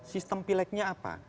sistem pilegnya apa